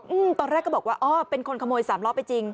อืมตอนแรกก็บอกว่าอ๋อเป็นคนขโมยสามล้อไปจริง